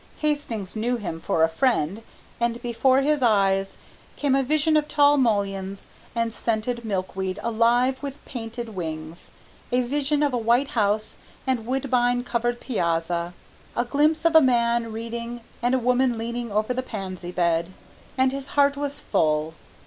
Hastings knew him for a friend, and before his eyes there came a vision of tall mulleins and scented milkweed alive with painted wings, a vision of a white house and woodbine covered piazza, a glimpse of a man reading and a woman leaning over the pansy bed, and his heart was full.